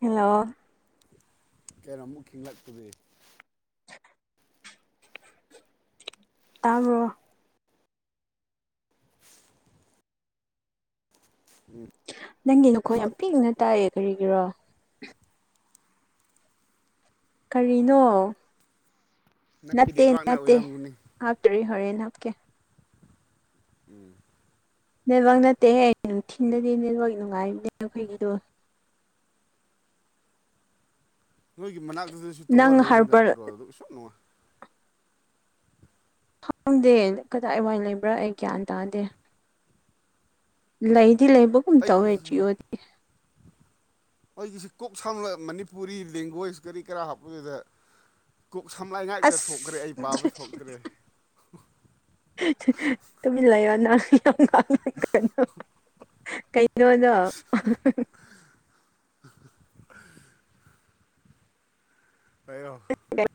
Hello [unintelligible] [inaudible] ꯇꯥꯕꯔꯣ ꯎꯝ ꯅꯪꯒꯤ ꯅꯈꯣꯜ ꯌꯥꯝ ꯄꯤꯛꯅ ꯇꯥꯏꯑꯦ ꯀꯔꯤꯒꯤꯔꯣ ꯀꯔꯤꯅꯣ ꯅꯛꯄꯤ ꯅꯠꯇꯦ ꯅꯦꯠꯋꯥꯛꯅ ꯅꯠꯇꯦ ꯑꯣꯏꯔꯝꯒꯅꯤ ꯍꯥꯞꯇꯔꯤ ꯍꯣꯔꯦꯟ ꯍꯥꯞꯀꯦ ꯎꯝ ꯅꯦꯠꯋꯥꯛ ꯅꯠꯇꯦꯍꯦ ꯑꯩ ꯅꯨꯡꯊꯤꯂꯗꯗꯤ ꯅꯦꯠꯋꯥꯛ ꯅꯨꯡꯉꯥꯏꯕꯅꯦ ꯅꯥꯈꯣꯏꯒꯤꯗꯣ ꯅꯣꯏꯒꯤ ꯃꯅꯥꯛꯇꯨꯗꯁꯨ ꯇꯋꯥꯔ ꯅꯪ ꯂꯩꯕ ꯍꯥꯔꯕꯔ ꯅꯠꯇ꯭ꯔꯣ ꯑꯗꯨ ꯑꯁꯨꯛ ꯅꯨꯡꯉꯥꯏ ꯈꯪꯗꯦ ꯀꯗꯥꯏ ꯋꯥꯏ ꯂꯩꯕ꯭ꯔꯥ ꯑꯩ ꯒ꯭ꯌꯥꯟ ꯇꯥꯗꯦ ꯂꯩꯗꯤ ꯂꯩꯕꯨ ꯑꯩꯒꯤ [inaudible] ꯑꯩꯒꯤꯁꯤ ꯀꯣꯛ ꯁꯥꯡꯂ ꯃꯅꯤꯄꯨꯔꯤ ꯂꯦꯡꯒ꯭ꯋꯦꯖ ꯀꯔꯤ ꯀꯔꯥ ꯍꯥꯞꯄꯗꯨꯗ ꯀꯣꯛ ꯁꯝꯂꯥꯏ ꯉꯥꯛꯇ ꯊꯣꯛꯈ꯭ꯔꯦ ꯑꯁ ꯑꯩ ꯄꯥꯕ ꯊꯣꯛꯇ꯭ꯔꯦ ꯇꯃꯤꯟ ꯂꯩꯌꯣ ꯅꯪ ꯌꯥꯝ ꯉꯥꯡꯏꯗꯣ ꯀꯩꯅꯣ [unintelligible] [unintelligible] ꯑꯩꯔꯣ [unintelligible]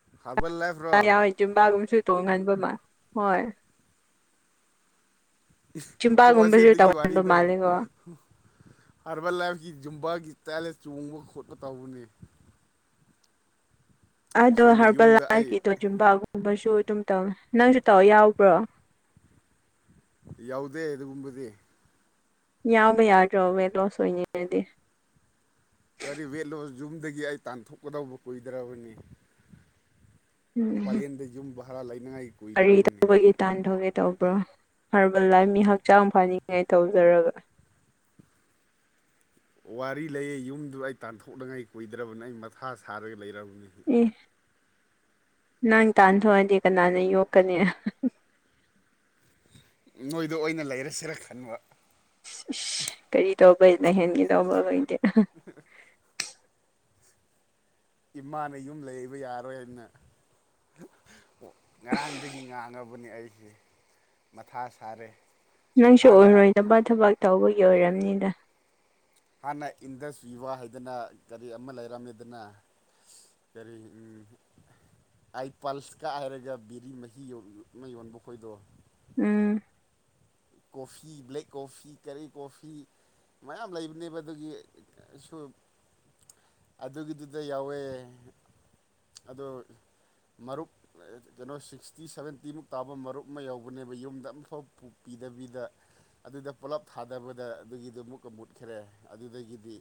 [unintelligible] ꯑꯥ ꯌꯥꯎꯏ ꯖꯨꯝꯕꯥꯒꯨꯝꯁꯨ ꯆꯣꯡꯍꯟꯕ ꯑꯃ ꯍꯣꯏ ꯇꯣꯛꯑꯁꯦ ꯖꯨꯝꯕꯥꯒꯨꯝꯕꯁꯨ ꯑꯗꯨꯒꯤ ꯇꯧꯍꯟꯕ ꯋꯥꯔꯤꯗꯣ ꯃꯥꯜꯂꯦꯀꯣ ꯍꯔꯕꯦꯜ ꯂꯥꯏꯐꯀꯤ ꯖꯨꯝꯕꯥꯒꯤ ꯇꯥꯏꯗ ꯆꯣꯡꯕ ꯈꯣꯠꯄ ꯇꯧꯕꯅꯦ [inaudible] ꯑꯗꯣ ꯁꯣꯝꯗ ꯍꯔꯕꯜ ꯌꯨꯝꯗ ꯑꯩ ꯂꯥꯏꯐꯀꯤꯗꯣ ꯖꯨꯝꯕꯥꯒꯨꯝꯕꯁꯨ ꯑꯗꯨꯝ ꯇꯧꯋꯦ ꯅꯪꯁꯨ ꯇꯧ ꯌꯥꯎꯕ꯭ꯔꯣ ꯌꯥꯎꯗꯦ ꯑꯗꯨꯒꯨꯝꯕꯗꯤ ꯌꯥꯎꯕ ꯌꯥꯗ꯭ꯔꯣꯕ ꯁꯦꯠ ꯂꯣꯁ ꯑꯣꯏꯅꯤꯡꯉꯗꯤ ꯀꯔꯤ ꯋꯦꯠꯂꯣꯁ ꯌꯨꯝꯗꯒꯤ ꯑꯩ ꯇꯥꯟꯊꯣꯛꯀꯗꯧꯕ ꯀꯨꯏꯗ꯭ꯔꯕꯅꯤ ꯎꯝ ꯄꯂꯦꯜꯗ ꯌꯨꯝ ꯚꯔꯥ ꯂꯩꯅꯉꯥꯏ ꯀꯔꯤ ꯀꯨꯏꯗ꯭ꯔꯕꯅꯤ ꯇꯧꯕꯒꯤ ꯇꯥꯟꯊꯣꯛꯒꯦ ꯇꯧꯕ꯭ꯔꯣ ꯍꯔꯕꯜ ꯂꯥꯏ ꯃꯤ ꯍꯛꯆꯥꯡ ꯐꯅꯤꯡꯉꯥꯏ ꯇꯧꯖꯔꯒ ꯋꯥꯔꯤ ꯂꯩꯌꯦ ꯌꯨꯝꯗꯨ ꯑꯩ ꯇꯥꯟꯊꯣꯛꯅꯉꯥꯏ ꯀꯨꯏꯗ꯭ꯔꯕꯅꯤ ꯑꯩ ꯃꯊꯥ ꯁꯥꯔꯒ ꯂꯩꯔꯕꯅꯤ ꯑꯦ ꯅꯪ ꯇꯥꯟꯊꯣꯛꯑꯗꯤ ꯀꯅꯥꯅ ꯌꯣꯛꯀꯅꯤ ꯅꯣꯏꯗ ꯑꯣꯏꯅ ꯂꯩꯔꯁꯤꯔ ꯈꯟꯕ ꯏꯁ ꯀꯔꯤ ꯇꯧꯕꯩ ꯂꯩꯍꯟꯒꯤꯗꯧꯕ꯭ꯔ ꯈꯣꯏꯗꯤ ꯏꯃꯥꯅ ꯌꯨꯝ ꯂꯩꯕ ꯌꯥꯔꯣꯏꯅ ꯉꯔꯥꯡꯗꯒꯤ ꯉꯥꯡꯉꯕꯅꯦ ꯑꯩꯁꯦ ꯃꯊꯥ ꯁꯥꯔꯦ ꯅꯪꯁꯨ ꯍꯥꯟꯅ ꯑꯣꯏꯔꯣꯏꯗꯕ ꯊꯕꯛ ꯇꯧꯕꯒꯤ ꯑꯣꯏꯔꯝꯅꯤꯗ ꯍꯥꯟꯅ ꯏꯟꯗꯁ ꯚꯤꯕꯥ ꯍꯥꯏꯗꯅ ꯀꯔꯤ ꯑꯃ ꯂꯩꯔꯝꯃꯤꯗꯅ ꯀꯔꯤ ꯎꯝ ꯑꯥꯏ ꯄꯜꯁ ꯀꯥꯢꯔꯒ ꯕꯤꯔꯤ ꯃꯍꯤ ꯌꯣꯟ ꯃꯩ ꯌꯣꯟꯕ ꯈꯣꯏꯗꯣ ꯎꯝ ꯀꯣꯐꯤ ꯕ꯭ꯂꯦꯛ ꯀꯣꯐꯤ ꯀꯔꯤ ꯀꯣꯐꯤ ꯃꯌꯥꯝ ꯂꯩꯕꯅꯦꯕ ꯑꯗꯨꯒꯤ ꯁꯨ ꯑꯗꯨꯒꯤꯗꯨꯗ ꯌꯥꯎꯋꯦ ꯑꯗꯣ ꯃꯔꯨꯞ ꯀꯩꯅꯣ ꯁꯤꯛꯁꯇꯤ ꯁꯚꯦꯟꯇꯤꯃꯨꯛ ꯇꯥꯕ ꯃꯔꯨꯞ ꯑꯃ ꯌꯧꯕꯅꯦꯕ ꯌꯨꯝꯗ ꯑꯝꯐꯥꯎ ꯄꯨ ꯄꯤꯗꯕꯤꯗ ꯑꯗꯨꯗ ꯄꯨꯂꯞ ꯊꯥꯗꯕꯗ ꯑꯗꯨꯒꯤꯗꯨ ꯃꯨꯛꯀ ꯃꯨꯠꯈ꯭ꯔꯦ ꯑꯗꯨꯗꯒꯤꯗꯤ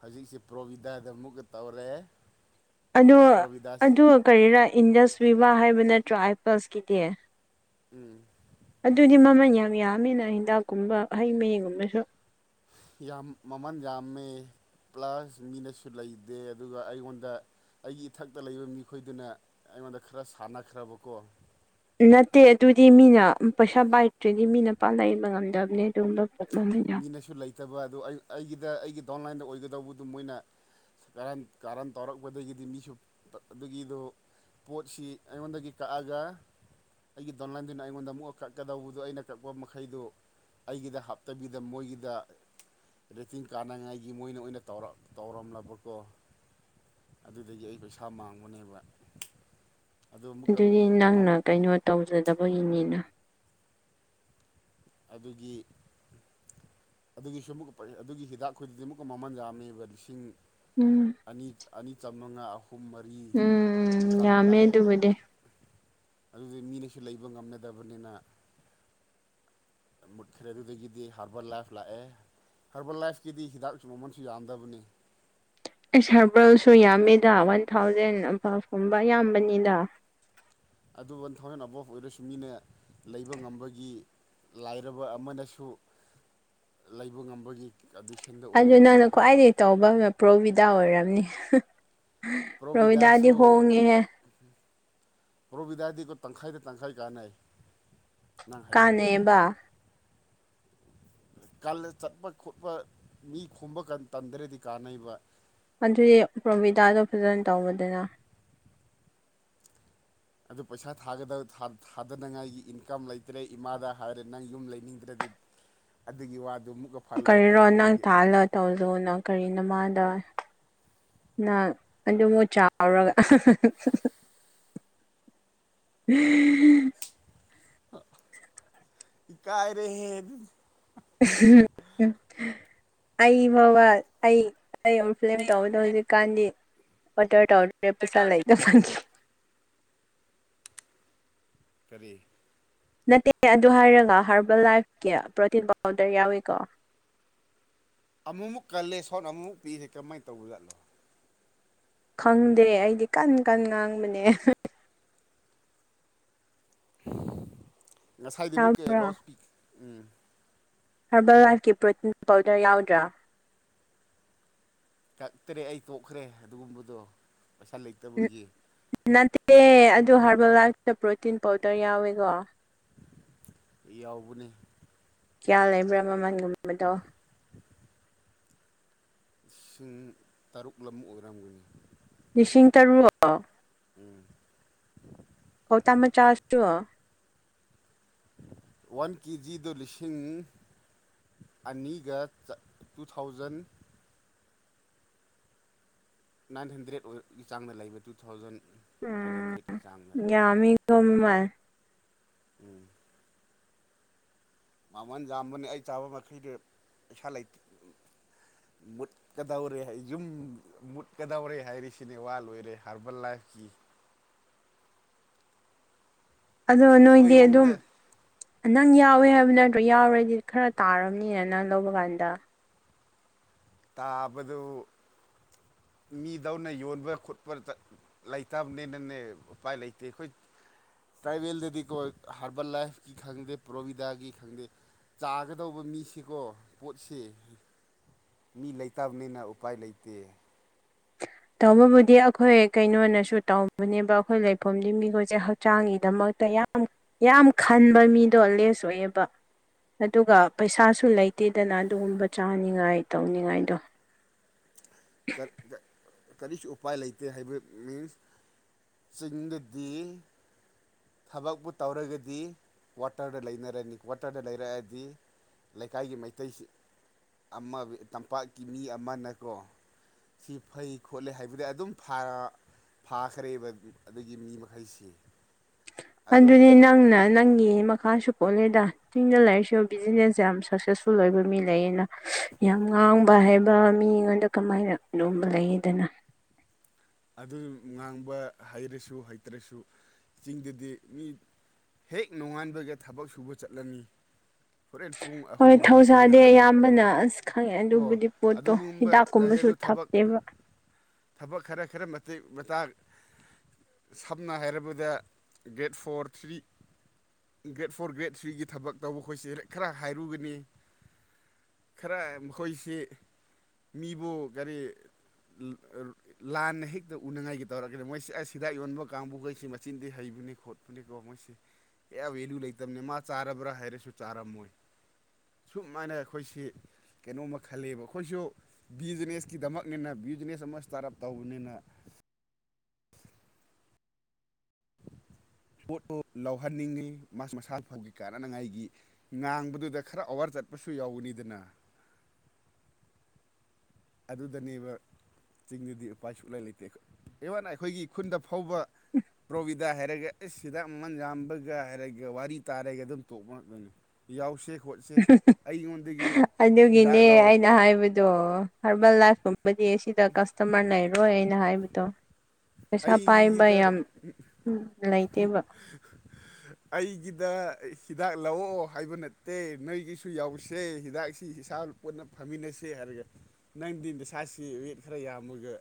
ꯍꯧꯖꯤꯛꯁꯦ ꯄ꯭ꯔꯣꯕꯤꯗꯥꯗ ꯑꯃꯨꯛꯀ ꯇꯧꯔꯦ ꯑꯗꯣ ꯄ꯭ꯔꯣꯕꯤꯗꯥꯁꯤ ꯑꯗꯨ ꯀꯔꯤꯔꯥ ꯏꯟꯗꯁ ꯚꯤꯚꯥ ꯍꯥꯏꯕ ꯅꯠꯇ꯭ꯔꯥ ꯑꯥꯏꯄꯜꯁꯀꯤꯗꯤ ꯎꯝ ꯑꯗꯨꯗꯤ ꯃꯃꯟ ꯌꯥꯝ ꯌꯥꯝꯃꯦꯅ ꯍꯤꯗꯥꯛꯀꯨꯝꯕ ꯍꯩ ꯃꯍꯤꯒꯨꯝꯕꯁꯨ ꯌꯥꯝ ꯃꯃꯟ ꯌꯥꯝꯃꯦ ꯄ꯭ꯂꯁ ꯃꯤꯅꯁꯨ ꯂꯩꯗꯦ ꯑꯗꯨꯒ ꯑꯩꯉꯣꯟꯗ ꯑꯩꯒꯤ ꯏꯊꯛꯇ ꯂꯩꯕ ꯃꯤꯈꯣꯏꯗꯨꯅ ꯑꯩꯉꯣꯟꯗ ꯈꯔ ꯁꯥꯟꯅꯈ꯭ꯔꯕꯀꯣ ꯅꯠꯇꯦ ꯑꯗꯨꯗꯤ ꯃꯤꯅ ꯎꯝ ꯄꯩꯁꯥ ꯄꯥꯏꯗ꯭ꯔꯗꯤ ꯃꯤꯅ ꯄꯥꯛ ꯂꯩꯕ ꯉꯝꯗꯝꯅꯦ ꯑꯗꯨꯒꯨꯝꯗꯣ ꯃꯤꯅꯁꯨ ꯂꯩꯇꯕ ꯑꯗꯨ ꯑꯩ ꯑꯩꯒꯤꯗ ꯑꯩꯒꯤ ꯗꯣꯟꯂꯥꯢꯟꯗ ꯑꯣꯢꯒꯗꯧꯕꯗꯨ ꯃꯣꯢꯅ ꯀꯔꯟ ꯀꯔꯟ ꯇꯧꯔꯛꯄꯗꯒꯤꯗꯤ ꯃꯤꯁꯨ ꯑꯗꯨꯒꯤꯗꯣ ꯄꯣꯠꯁꯤ ꯑꯩꯉꯣꯟꯗꯒꯤ ꯀꯛꯑꯒ ꯑꯩꯒꯤ ꯗꯣꯟꯂꯥꯏꯟꯗꯨꯅ ꯑꯩꯉꯣꯟꯗ ꯑꯃꯨꯛ ꯀꯛꯀꯗꯧꯕꯗꯣ ꯑꯩꯅ ꯀꯛꯄ ꯃꯈꯩꯗꯨ ꯑꯩꯒꯤꯗ ꯍꯥꯞ ꯇꯕꯤꯗ ꯃꯣꯏꯒꯤꯗ ꯔꯦꯇꯤꯡ ꯀꯥꯅꯉꯥꯏꯒꯤ ꯃꯣꯏꯅ ꯑꯣꯏꯅ ꯇꯧꯔ ꯇꯧꯔꯝꯂꯕꯀꯣ ꯑꯗꯨꯗꯒꯤ ꯑꯩ ꯄꯩꯁꯥ ꯃꯥꯡꯕꯅꯦꯕ ꯑꯗꯨ ꯑꯃꯨꯛꯀ ꯑꯗꯨꯗꯤ ꯃ ꯅꯪꯅ ꯀꯩꯅꯣ ꯇꯧꯖꯗꯕꯒꯤꯅꯤꯅ ꯑꯗꯨꯒꯤ ꯑꯗꯨꯒꯤꯁꯨ ꯑꯃꯨꯛꯀ ꯄꯩ ꯑꯗꯨꯒꯤ ꯍꯤꯗꯥꯛꯈꯣꯏꯗꯨꯗꯤ ꯑꯃꯨꯛꯀ ꯃꯃꯜ ꯌꯥꯝꯃꯦꯕ ꯂꯤꯁꯤꯡ ꯎꯝ ꯑꯅꯤ ꯑꯅꯤ ꯆꯃꯉꯥ ꯑꯍꯨꯝ ꯃꯔꯤꯒꯤ ꯎꯝ ꯆꯥꯡꯗ ꯌꯥꯝꯃꯦ ꯂꯥꯛꯑꯦ ꯑꯗꯨꯕꯨꯗꯤ ꯑꯗꯨꯗꯤ ꯃꯤꯅꯁꯨ ꯂꯩꯕ ꯉꯝꯅꯗꯕꯅꯤꯅ ꯃꯨꯠꯈ꯭ꯔꯦ ꯗꯨꯗꯒꯤꯗꯤ ꯍꯥꯔꯕꯔ ꯂꯥꯏꯐ ꯂꯥꯛꯑꯦ ꯍꯔꯕꯜ ꯂꯥꯏꯐꯀꯤꯗꯤ ꯍꯤꯗꯥꯛꯁꯨ ꯃꯃꯟꯁꯨ ꯌꯥꯝꯗꯕꯅꯤ ꯏꯁ ꯍꯥꯔꯕꯜꯁꯨ ꯌꯥꯝꯃꯤꯗ ꯋꯟ ꯊꯥꯎꯖꯟ ꯑꯕꯐ ꯀꯨꯝꯕ ꯌꯥꯝꯕꯅꯤꯗ ꯑꯗꯨ ꯋꯟ ꯊꯥꯎꯖꯟ ꯑꯕꯞ ꯑꯣꯏꯔꯁꯨ ꯃꯤꯅ ꯂꯩꯕ ꯉꯝꯕꯒꯤ ꯂꯥꯏꯔꯕ ꯑꯃꯅꯁꯨ ꯂꯩꯕ ꯉꯝꯕꯒꯤ ꯑꯗꯨ ꯑꯗꯨ ꯅꯪꯅ ꯈ꯭ꯋꯥꯏꯗꯒꯤ ꯇꯧꯕꯅ ꯄ꯭ꯔꯣꯕꯤꯗꯥ ꯑꯣꯏꯔꯝꯅꯤ ꯄ꯭ꯔꯣꯍꯤꯗꯥꯗꯤ ꯄ꯭ꯔꯣꯕꯤꯗꯥꯁꯨ ꯍꯣꯡꯉꯦꯍꯦ ꯄ꯭ꯔꯣꯕꯤꯗꯥꯗꯤꯒꯣ ꯇꯪꯈꯥꯏꯗ ꯇꯪꯈꯥꯏ ꯀꯥꯟꯅꯩ ꯅꯪ ꯍꯩꯔꯒꯗꯤ ꯀꯥꯟꯅꯩꯌꯦꯕ ꯀꯂ ꯆꯠꯄ ꯈꯣꯠꯄ ꯃꯤ ꯈꯣꯝꯕ ꯀꯟ ꯇꯝꯗ꯭ꯔꯗꯤ ꯀꯥꯟꯅꯩꯕ ꯑꯗꯨꯗꯤ ꯄ꯭ꯔꯣꯕꯤꯗꯥꯗꯣ ꯐꯖꯟ ꯇꯧꯔꯣꯗꯅ ꯑꯗꯨ ꯄꯩꯁꯥ ꯊꯥꯒꯗ ꯊꯥ ꯊꯥꯗꯅꯉꯥꯏꯒꯤ ꯏꯟꯀꯝ ꯂꯩꯇ꯭ꯔꯦ ꯏꯃꯥꯗ ꯍꯥꯏꯔꯦ ꯅꯪ ꯌꯨꯝ ꯂꯩꯅꯤꯡꯗ꯭ꯔꯗꯤ ꯑꯗꯨꯒꯤ ꯋꯥꯗꯨ ꯃꯨꯛꯀ ꯀꯔꯤꯔꯣ ꯅꯪ ꯊꯥꯜꯂ ꯇꯧꯖꯣꯅ ꯀꯔꯤ ꯅꯃꯥꯗ ꯅꯪ ꯑꯗꯨꯃꯨꯛ ꯆꯥꯎꯔꯒ [unintelligible] ꯏꯀꯥꯏ ꯔꯦꯍꯦ꯫ [unintelligible] ꯑꯩ ꯕ ꯕ ꯑꯩ ꯑꯩ [unintelligible] ꯑꯩ ꯑꯃꯨꯛ ꯇꯧꯕꯗꯣ ꯐ꯭ꯂꯦꯕꯔ ꯍꯧꯖꯤꯛꯀꯥꯟꯗꯤ ꯑꯣꯗꯔ ꯇꯧꯗ꯭ꯔꯦ ꯄꯩꯁꯥ ꯇꯧꯔꯦ ꯂꯩꯇꯕꯒꯤ꯫ ꯀꯔꯤ꯫ ꯅꯠꯇꯦ ꯑꯗꯨ ꯍꯥꯏꯔꯒ ꯍꯥꯔꯕꯜ ꯂꯥꯏꯐꯀꯤ ꯄ꯭ꯔꯣꯇꯤꯟ ꯄꯥꯎꯗꯔ ꯌꯥꯎꯋꯤꯀꯣ꯫ ꯑꯃꯨꯃꯨꯛ ꯀꯜꯂꯦ ꯁꯣꯟ ꯑꯃꯨꯃꯛ ꯄꯤꯔꯦ ꯀꯃꯥꯏ ꯇꯧꯕ ꯖꯥꯠꯂꯣ꯫ ꯈꯪꯗꯦ ꯑꯩꯗꯤ ꯀꯟ ꯀꯟ ꯉꯥꯡꯕꯅꯦ꯫ ꯉꯁꯥꯏꯗꯤ ꯃꯨꯛꯀꯦ ꯇꯥꯕ꯭ꯔꯣ [unintelligible] ꯍꯥꯔꯕꯜ ꯂꯥꯏꯐꯀꯤ ꯄ꯭ꯔꯣꯇꯤꯟ ꯄꯥꯎꯗꯔ ꯌꯥꯎꯗ꯭ꯔꯥ꯫ ꯀꯛꯇ꯭ꯔꯦ ꯑꯩ ꯇꯣꯛꯈ꯭ꯔꯦ ꯑꯗꯨꯒꯨꯝꯕꯗꯣ ꯄꯩꯁꯥ ꯎꯝ ꯂꯩꯇꯕꯒꯤ꯫ ꯅꯠꯇꯦ ꯑꯗꯨ ꯍꯥꯔꯕꯜ ꯂꯥꯏꯐꯇ ꯄ꯭ꯔꯣꯇꯤꯟ ꯄꯥꯎꯗꯔ ꯌꯥꯎꯋꯦꯀꯣ꯫ ꯌꯥꯎꯕꯅꯦ꯫ ꯀꯌꯥ ꯂꯩꯕ꯭ꯔꯥ ꯃꯃꯟꯒꯨꯝꯕꯗꯣ꯫ ꯂꯤꯁꯤꯡ ꯇꯔꯨꯛꯂꯝ ꯑꯣꯏꯔꯝꯒꯅꯤ꯫ ꯂꯤꯁꯤꯡ ꯇꯔꯨꯛ꯫ ꯎꯝ꯫ ꯕꯣꯇꯟ ꯃꯆꯥꯁꯨ꯫ ꯋꯥꯟ ꯀꯦꯖꯤꯗ ꯂꯤꯁꯤꯡ ꯑꯅꯤꯒ ꯆ ꯇꯨ ꯊꯥꯎꯖꯟ ꯅꯥꯏꯟ ꯍꯟꯗ꯭ꯔꯦꯗ ꯑꯣꯏ ꯆꯥꯡꯗ ꯂꯩꯕ ꯇꯨ ꯊꯥꯎꯖꯟ ꯅꯥꯏꯟ ꯍꯟꯗ꯭ꯔꯦꯠꯀꯤ ꯆꯥꯡꯗ ꯎꯝ ꯌꯝꯃꯤ ꯃꯃꯟ꯫ ꯎꯝ꯫ ꯃꯃꯟ ꯌꯥꯝꯕꯅꯤ ꯑꯩ ꯆꯥꯕ ꯃꯈꯩꯗꯨ ꯄꯩꯁꯥ ꯂꯩꯇ ꯃꯨꯠ ꯀꯗꯧꯔꯦ ꯌꯨꯝ ꯃꯨꯠꯀꯗꯧꯔꯦ ꯍꯥꯏꯔꯤꯁꯤꯅꯦ ꯋꯥ ꯂꯣꯏꯔꯦ ꯍꯥꯔꯕꯜ ꯂꯥꯏꯐꯀꯤ꯫ ꯑꯗꯣ ꯅꯣꯏꯗꯤ ꯑꯗꯨꯝ ꯅꯣꯏꯔꯣꯝꯗ ꯅꯪ ꯌꯥꯎꯋꯦ ꯍꯥꯏꯕ ꯅꯠꯇ꯭ꯔꯣ ꯌꯥꯎꯔꯗꯤ ꯈꯔ ꯇꯥꯔꯝꯅꯤ ꯅꯪ ꯂꯧꯕ ꯀꯥꯟꯗ꯫ ꯇꯥꯕꯗꯨ ꯃꯤꯗꯧꯅ ꯌꯣꯟꯕ ꯈꯣꯠꯄ ꯆꯠ ꯂꯩꯇꯕꯅꯤꯅꯅꯦ ꯎꯄꯥꯏ ꯂꯩꯇꯦ ꯑꯩꯈꯣꯏ ꯇ꯭ꯔꯥꯏꯕꯜꯗꯗꯤꯀꫭ ꯍꯥꯔꯕꯜ ꯂꯥꯏꯐꯀꯤ ꯈꯪꯗꯦ ꯄ꯭ꯔꯣꯕꯤꯗꯥꯒꯤ ꯈꯪꯗꯦ ꯆꯥꯒꯗꯧꯕ ꯃꯤꯁꯤꯀꯣ ꯄꯣꯠꯁꯤ ꯃꯤ ꯂꯩꯇꯕꯅꯤꯅ ꯎꯄꯥꯏ ꯂꯩꯇꯦ꯫ ꯇꯧꯕꯕꯨꯗꯤ ꯑꯈꯣꯏ ꯀꯩꯅꯣꯅꯁꯨ ꯇꯧꯕꯅꯦꯕ ꯑꯈꯣꯏ ꯂꯩꯐꯝꯗꯤ ꯃꯤꯍꯣꯏꯁꯦ ꯍ ꯆꯥꯡꯒꯤꯗꯃꯛꯇ ꯌꯥꯝ ꯌꯥꯝ ꯈꯟꯕ ꯃꯤꯗꯣ ꯂꯦꯁ ꯑꯣꯏꯌꯦꯕ꯫ ꯑꯗꯨꯒ ꯄꯩꯁꯥꯁꯨ ꯂꯩꯇꯦꯗꯅ ꯑꯗꯨꯒꯨꯝꯕ ꯆꯥꯅꯤꯡꯉꯥꯏ ꯇꯧꯅꯤꯡꯉꯥꯏꯗꯣ꯫ ꯀ ꯀ ꯀꯔꯤꯁꯨ ꯎꯄꯥꯏ ꯂꯩꯇꯦ ꯍꯩꯕ ꯃꯤꯟꯁ꯫ ꯆꯤꯡꯗꯗꯤ ꯊꯕꯛꯄꯨ ꯇꯧꯔꯒꯗꯤ ꯀ꯭ꯋꯥꯇꯔꯗ ꯂꯩꯅꯔꯅꯤ ꯀ꯭ꯋꯥꯇꯔꯗ ꯂꯩꯔꯛꯑꯗꯤ ꯂꯩꯀꯥꯏꯒꯤ ꯃꯩꯇꯩꯁꯤ ꯑꯃ ꯇꯝꯄꯥꯛꯀꯤ ꯃꯤ ꯑꯃꯅꯀꯣ ꯁꯤ ꯐꯩ ꯈꯣꯠꯂꯤ ꯍꯥꯏꯕꯗꯤ ꯑꯗꯨꯝ ꯐꯥꯔ ꯐꯥꯈꯔꯦꯕ ꯑꯗꯨꯒꯤ ꯃꯤ ꯃꯈꯩꯁꯤ꯫ ꯑꯗꯣ ꯑꯗꯨꯅꯤ ꯅꯪꯅ ꯅꯪꯒꯤ ꯃꯈꯥꯁꯨ ꯄꯣꯜꯂꯦꯗ ꯆꯤꯡꯗ ꯂꯩꯔꯁꯨ ꯕꯤꯖꯤꯅꯦꯁ ꯌꯥꯝ ꯁꯛꯁꯦꯁꯐꯨꯜ ꯑꯣꯏꯕ ꯃꯤ ꯂꯩꯌꯦꯅ꯫ ꯌꯥꯝ ꯉꯥꯡꯕ ꯍꯩꯕ ꯃꯤꯉꯣꯟꯗ ꯀꯃꯥꯏꯅ ꯑꯗꯨꯒꯨꯝꯕ ꯂꯩꯌꯦꯗꯅ꯫ ꯑꯗꯨ ꯉꯥꯡꯕ ꯍꯩꯔꯁꯨ ꯍꯩꯇ꯭ꯔꯁꯨ ꯆꯤꯡꯗꯗꯤ ꯃꯤ ꯍꯦꯛ ꯅꯣꯉꯥꯟꯕꯒ ꯊꯕꯛ ꯁꯨꯕ ꯆꯠꯂꯅꯤ꯫ ꯍꯣꯔꯦꯟ ꯄꯨꯡ ꯑꯍꯨꯝ ꯍꯣꯏ ꯃꯔꯤ ꯁ꯭ꯋꯥꯏꯗ ꯊꯧꯁꯥꯗꯤ ꯑꯌꯥꯝꯕꯅ ꯍꯟꯅꯔꯛꯀꯅꯤ ꯑꯁ ꯈꯪꯉꯦ ꯀꯣ ꯑꯗꯨꯕꯨꯗꯤ ꯄꯣꯠꯇꯣ ꯑꯗꯨꯒꯨꯝꯕ ꯂꯩ ꯍꯤꯗꯥꯛꯀꯨꯝꯕꯁꯨ ꯑꯗꯨ ꯊꯕꯛ ꯊꯛꯇꯦꯕ꯫ ꯊꯕꯛ ꯈꯔ ꯈꯔ ꯃꯇꯦꯛ ꯃꯇꯥꯡ ꯁꯝꯅ ꯍꯥꯏꯔꯕꯗ grade four three grade four grade ꯊ꯭ꯔꯤꯒꯤ ꯊꯕꯛ ꯇꯧꯕ ꯈꯣꯏꯁꯦ ꯔꯦ ꯈꯔ ꯍꯥꯏꯔꯨꯒꯅꯤ꯫ ꯈꯔ ꯃꯈꯣꯏꯁꯤ ꯃꯤꯕꯨ ꯒꯥꯔꯤ ꯂ ꯂꯥꯟꯅ ꯍꯦꯛꯇ ꯎꯅꯉꯥꯏꯒꯤ ꯇꯧꯔꯒꯗꯤ ꯃꯣꯏꯁꯦ ꯑꯁ ꯍꯤꯗꯥꯛ ꯌꯣꯟꯕ ꯀꯥꯡꯕꯨꯈꯩ ꯁꯤ ꯃꯆꯤꯟꯗꯤ ꯍꯩꯕꯅꯤ ꯈꯣꯠ ꯐꯅꯤꯀꯣ ꯃꯣꯏꯁꯤ ꯀꯌꯥ ꯚꯦꯂꯨ ꯂꯩꯇꯕꯅꯦ ꯃꯥ ꯆꯥꯔꯕ꯭ꯔꯥ ꯍꯥꯏꯔꯁꯨ ꯆꯥꯔꯝꯃꯣꯏ꯫ ꯁꯨꯝꯃꯥꯏꯅ ꯑꯩꯈꯣꯏꯁꯤ ꯀꯩꯅꯣꯝꯃ ꯈꯜꯂꯦꯕ ꯑꯈꯣꯏꯁꯨ ꯕꯤꯖꯤꯅꯦꯁꯀꯤꯗꯃꯛꯅꯤꯅ ꯕꯤꯖꯤꯅꯦꯁ ꯑꯃ ꯏꯁ꯭ꯇꯥꯔꯠ ꯑꯞ ꯇꯧꯕꯅꯤꯅ ꯄꯣꯠꯇꯨ ꯂꯧꯍꯟꯅꯤꯡꯉꯤ ꯃꯁ ꯃꯁꯥ ꯐꯪꯒꯤ ꯀꯥꯅꯅꯉꯥꯏꯒꯤ꯫ ꯉꯥꯡꯕꯗꯨꯗ ꯈꯔ ꯑꯋꯥꯔ ꯆꯠꯄꯁꯨ ꯌꯥꯎꯒꯅꯤꯗꯅ꯫ ꯑꯗꯨꯗꯅꯦꯕ ꯆꯤꯡꯗꯨꯗꯤ ꯎꯄꯥꯏ ꯁꯨꯛꯂꯥꯏ ꯂꯩꯇꯦ ꯏꯚꯟ ꯑꯩꯈꯣꯏꯒꯤ ꯈꯨꯟꯗ ꯐꯥꯎꯕ ꯄ꯭ꯔꯣꯚꯤ ꯗꯥ ꯍꯥꯏꯔꯒ ꯑꯩꯁ ꯍꯤꯗꯥꯛ ꯃꯃꯟ ꯌꯥꯝꯕꯒ ꯍꯥꯏꯔꯒ ꯋꯥꯔꯤ ꯇꯥꯔꯒ ꯑꯗꯨꯝ ꯇꯣꯛꯄ ꯗꯅꯤ꯫ ꯌꯥꯎꯁꯦ ꯈꯣꯠꯁꯦ ꯑꯩꯉꯣꯟꯗꯒꯤ ꯍꯤꯗꯥꯛ ꯂꯧ꯫ ꯅ ꯍꯥꯏꯕꯗꯣ ꯍꯥꯔꯕꯜ ꯂꯥꯏꯐꯀꯨꯝꯕꯗꯤ ꯁꯤꯗ ꯀꯁꯇꯃꯔ ꯂꯩꯔꯣꯏ ꯑꯩꯅ ꯍꯥꯏꯕꯗꯣ꯫ ꯄꯩꯁꯥ ꯄꯥꯏꯕ ꯑꯩꯒꯤꯗ ꯌꯥꯝ ꯂꯩꯇꯦꯕ꯫ ꯑꯩꯒꯤꯗ ꯍꯤꯗꯥꯛ ꯂꯧꯑꯣ ꯍꯥꯏꯕ ꯅꯠꯇꯦ ꯅꯣꯏꯒꯤꯁꯨ ꯌꯥꯎꯁꯦ ꯍꯤꯗꯥꯛꯁꯤ ꯏꯁꯥ ꯄꯨꯟꯅ ꯐꯝꯃꯤꯟꯅꯁꯦ ꯍꯥꯏꯔꯒ ꯅꯪꯗꯤ ꯅꯁꯥꯁꯤ ꯔꯦꯠ ꯈꯔ ꯌꯥꯝꯃꯒ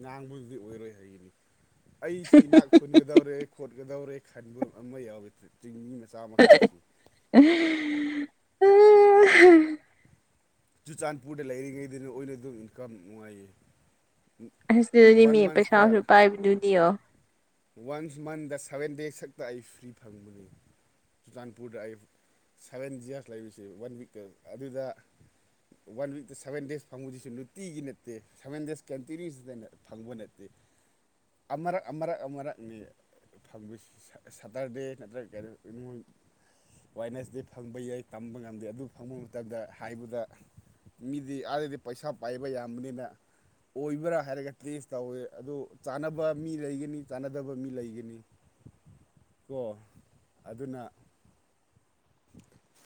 ꯉꯥꯡꯕꯗꯨꯗꯤ ꯑꯣꯏꯔꯣꯏ꯫ ꯀꯩꯒꯤꯅꯤ ꯑꯩꯁꯤ ꯏꯅꯥꯛ ꯈꯨꯟꯒꯗꯧꯔꯦ ꯈꯣꯠꯀꯗꯧꯔꯦ ꯈꯟꯕ ꯑꯃ ꯌꯥꯎ [inaudible] ꯆꯤꯡꯃꯤ ꯃꯆꯥ ꯃꯈꯩꯁꯤ꯫ [unintelligible] ꯆꯨꯔꯆꯥꯟꯄꯨꯔꯗ ꯂꯩꯔꯤꯉꯩꯗꯅ ꯑꯣꯏꯅ ꯑꯗꯨꯝ ꯏꯟꯀꯝ ꯅꯨꯡꯉꯥꯏꯌꯦ꯫ ꯑꯁ ꯑꯗꯨꯗꯤ ꯋꯥꯟ ꯃꯤ ꯄꯩꯁꯥꯁꯨ ꯄꯥꯏꯕꯗꯨꯗꯤ ꯑꯣ꯫ ꯋꯥꯟꯁ ꯃꯟꯗ ꯁꯚꯦꯟ ꯗꯦꯖ ꯈꯛꯇ ꯑꯩ ꯐ꯭ꯔꯤ ꯐꯪꯕꯅꯤ ꯆꯨꯔꯆꯥꯟꯄꯨꯔꯗ ꯑꯩ ꯁꯚꯦꯟ ꯖꯌꯥꯔꯁ ꯂꯩꯔꯤꯁꯦ ꯋꯥꯟ ꯋꯤꯛꯀ ꯑꯗꯨꯗ ꯋꯥꯟ ꯋꯤꯛꯇ ꯁꯕꯦꯟ ꯗꯦꯖ ꯐꯪꯕꯕꯁꯤꯁꯨ ꯅꯨꯡꯇꯤꯒꯤ ꯅꯠꯇꯦ ꯁꯚꯦꯟ ꯗꯦꯖ ꯀꯟꯇꯤꯅ꯭ꯌꯨꯁꯗ ꯐꯪꯕ ꯅꯠꯇꯦ ꯑꯃꯛ ꯑꯃꯛ ꯑꯃꯛꯅꯤ ꯐꯪ ꯁꯥꯇꯔꯗꯦ ꯅꯠꯇ꯭ꯔꯒ ꯀꯩꯅꯣ ꯋꯥꯏꯅꯦꯁꯇꯤ ꯐꯪꯕ ꯌꯥꯏ ꯇꯝꯕ ꯉꯝꯗꯦ ꯑꯗꯨ ꯐꯪꯕ ꯃꯇꯝꯗ ꯍꯥꯏꯕꯗ ꯃꯤꯗꯤ ꯑꯥꯗꯗꯤ ꯄꯩꯁꯥ ꯄꯥꯏꯕ ꯌꯥꯝꯕꯅꯤꯅ ꯑꯣꯏꯕ꯭ꯔꯥ ꯍꯥꯏꯔꯒ ꯇꯦꯁ ꯇꯧꯋꯦ ꯑꯗꯨ ꯆꯥꯟꯅꯕ ꯃꯤ ꯂꯩꯒꯅꯤ ꯆꯥꯟꯅꯗꯕ ꯃꯤ ꯂꯩꯒꯅꯤ ꯀꯣ ꯑꯗꯨꯅ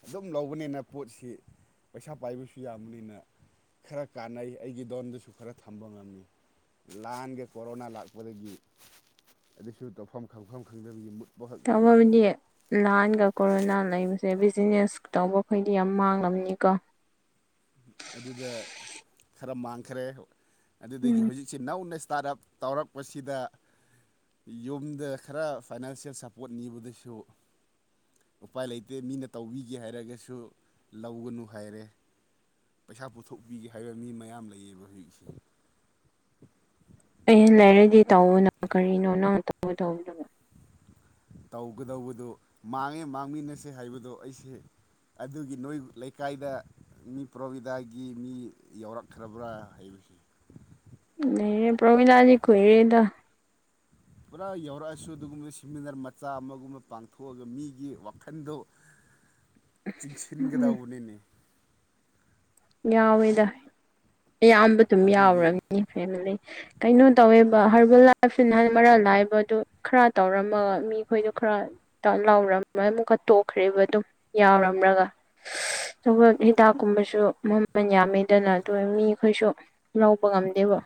ꯑꯗꯨꯝ ꯂꯧꯕꯅꯤꯅ ꯄꯣꯠꯁꯤ ꯄꯩꯁꯥ ꯄꯥꯏꯕꯁꯨ ꯌꯥꯝꯕꯅꯤꯅ ꯈꯔ ꯀꯥꯟꯅꯩ ꯑꯩꯒꯤ ꯂꯣꯟꯗꯁꯨ ꯈꯔ ꯊꯝꯕ ꯉꯝꯃꯤ ꯂꯥꯟꯒꯦ ꯀꯣꯔꯣꯅꯥ ꯂꯥꯛꯄꯗꯒꯤ ꯑꯗꯨꯁꯨ ꯇꯧꯐꯝ ꯈꯪꯐꯝ ꯈꯪꯗꯕꯒꯤ ꯈꯛꯇꯅꯤ ꯇꯃꯕꯅꯤ ꯅꯍꯥꯟꯒ ꯀꯣꯔꯣꯅꯥ ꯂꯩꯕꯁꯦ ꯕꯤꯖꯤꯅꯦꯁ ꯇꯧꯕꯈꯩꯗꯤ ꯌꯥꯝ ꯃꯥꯡꯂꯕꯅꯤꯀꯣ ꯑꯗꯨꯗ ꯈꯔ ꯃꯥꯡꯈꯔꯦ ꯑꯗꯨꯗꯒꯤ ꯎꯝ ꯍꯧꯖꯤꯛ ꯁꯤ ꯅꯧꯅ ꯏꯁꯇꯥꯔꯠ ꯑꯞ ꯇꯧꯔꯛꯄꯁꯤꯗ ꯌꯨꯝꯗ ꯈꯔ ꯐꯥꯏꯅꯥꯟꯁꯤꯌꯦꯜ ꯁꯞꯄꯣꯔꯠ ꯅꯤꯕꯗꯁꯨ ꯎꯄꯥꯏ ꯂꯩꯇꯦ ꯃꯤꯅ ꯇꯧꯕꯤꯒꯦ ꯍꯥꯏꯔꯒꯁꯨ ꯂꯧꯒꯅꯨ ꯍꯥꯏꯔꯦ ꯄꯩꯁꯥ ꯄꯨꯊꯣꯛꯄꯤꯒꯦ ꯍꯥꯏꯕ ꯃꯤ ꯃꯌꯥꯝ ꯂꯩꯌꯦꯕ ꯍꯧꯖꯤꯛꯁꯦ ꯑꯦ ꯂꯩꯔꯗꯤ ꯇꯧꯕꯅꯣ ꯀꯔꯤꯅꯣ ꯅꯪ ꯇ ꯇꯧꯕꯗꯣ ꯇꯧꯒꯗꯧꯕꯗꯨ ꯃꯥꯡꯉꯦ ꯃꯥꯡꯃꯤꯟꯅꯁꯦ ꯍꯥꯏꯕꯗꯨ ꯑꯩꯁꯦ ꯑꯗꯨꯒꯤ ꯅꯣꯏ ꯂꯩꯀꯥꯏꯗ ꯃꯤ ꯄ꯭ꯔꯣꯕꯤꯗꯥꯒꯤ ꯃꯤ ꯌꯥꯎꯔꯛꯈ꯭ꯔꯕ꯭ꯔꯥ ꯍꯥꯏꯕꯁꯦ ꯑꯦ ꯄ꯭ꯔꯃꯤꯂꯥꯖꯤꯗꯤ ꯈꯣꯏꯑꯦꯗ ꯄꯨꯔꯥ ꯌꯧꯔꯛꯑꯁꯨ ꯑꯗꯨꯒꯨꯝꯕ ꯁꯤꯦꯃꯤꯅꯥꯔ ꯃꯆꯥ ꯑꯃꯒꯨꯝꯕ ꯄꯥꯡꯊꯣꯛꯑꯒ ꯃꯤꯒꯤ ꯋꯥꯈꯟꯗꯣ [inaudible] ꯎꯝ ꯆꯤꯡꯁꯤꯟꯒꯗꯧꯕꯅꯤꯅꯦ ꯌꯥꯎꯋꯦꯗ ꯑꯌꯥꯝꯕ ꯑꯗꯨꯝ ꯑꯗꯨꯒꯤ ꯌꯥꯎꯔꯅꯤ ꯐꯦꯃꯤꯂꯤ ꯀꯩꯅꯣ ꯇꯧꯋꯦꯕ ꯍꯔꯕ ꯂꯥꯜ ꯃꯔꯥꯜ ꯂꯥꯏꯕꯗꯨ ꯈꯔ ꯇꯧꯔꯝꯃꯒ ꯃꯤꯈꯣꯏꯗꯣ ꯈꯔ ꯂꯥꯎꯔꯝ ꯑꯃꯨꯛꯀ ꯇꯣꯛꯈ꯭ꯔꯦꯔꯤꯕ ꯑꯗꯨꯝ ꯌꯥꯎꯔꯝ꯭ꯔꯒ ꯁꯧꯜ ꯍꯤꯗꯥꯛ ꯀꯨꯝꯕꯁꯨ ꯃꯃꯜ ꯌꯥꯝꯃꯦꯗꯅ ꯑꯗꯨ ꯃꯤꯈꯣꯏꯁꯨ ꯂꯧꯕ ꯉꯝꯗꯦꯕ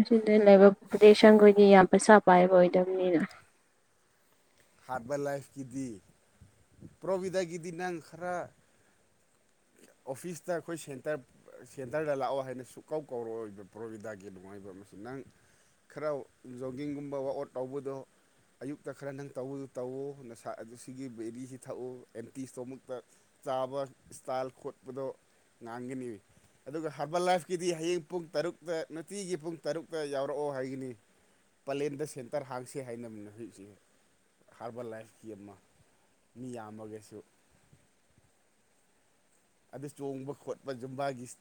ꯑꯁꯤꯗ ꯂꯩꯕ ꯄꯣꯄꯨꯂꯦꯁꯟꯈꯣꯏꯗꯤ ꯌꯥꯝ ꯄꯩꯁꯥ ꯄꯥꯏꯕ ꯑꯣꯏꯗꯕꯅꯤꯅ ꯍꯥꯔꯠꯕꯥꯏ ꯂꯥꯏꯐꯀꯤꯗꯤ ꯄ꯭ꯔꯕꯤꯤꯗꯥꯒꯤꯗꯤ ꯅ ꯈ ꯈꯔꯥ ꯑꯣꯐꯤꯁꯇ ꯑꯩꯈꯣꯏ ꯁꯦꯟꯇꯔ ꯁꯦꯟꯇꯔꯗ ꯂꯥꯛꯑꯣ ꯍꯥꯏꯅ ꯁꯨꯡꯀꯧ ꯀꯧꯔꯛꯑꯣꯏꯕ ꯄ꯭ꯔꯣꯕꯤꯗꯥꯒꯤ ꯅꯨꯡꯉꯥꯏꯕ ꯑꯃꯁ ꯅꯪ ꯈꯔ ꯖꯣꯒꯤꯡꯒꯨꯝꯕ ꯋꯥꯛ ꯑꯥꯎꯠ ꯇꯧꯕꯗꯣ ꯑꯌꯨꯛꯇ ꯈꯔ ꯅꯪ ꯇꯧꯕꯗꯨ ꯇꯧꯎ ꯅꯁꯥ ꯑꯗꯨ ꯁꯤꯒꯤ ꯕꯦꯔꯤꯁꯤ ꯊꯛꯎ ꯑꯦꯟꯇꯤ ꯏꯁꯇꯣꯃꯤꯛꯇ ꯆꯥꯕ ꯏꯁꯇꯥꯏꯜ ꯈꯣꯠꯄꯗꯣ ꯉꯥꯡꯒꯅꯤꯏ ꯑꯗꯨꯒ ꯍꯥꯔꯕꯜ ꯂꯥꯏꯐꯀꯤꯗꯤ ꯍꯌꯦꯡ ꯄꯨꯡ ꯇꯔꯨꯛꯇ ꯅꯨꯡꯇꯤꯒꯤ ꯄꯨꯡ ꯇꯔꯨꯛꯇ ꯌꯥꯎꯔꯛꯑꯣ ꯍꯥꯏꯒꯅꯤ ꯄꯂꯦꯟꯗ ꯁꯦꯟꯇꯔ ꯍꯥꯡꯁꯦ ꯍꯥꯏꯅꯕꯅꯤ ꯍꯧꯖꯤꯛꯁꯤ ꯍꯥꯔꯕꯔ ꯂꯥꯏꯐꯀꯤ ꯑꯃ ꯃꯤ ꯌꯥꯝꯃꯒꯁꯨ ꯑꯗꯨꯗ ꯆꯣꯡꯕ ꯈꯣꯠꯄ ꯖꯨꯝꯕꯥꯒꯤ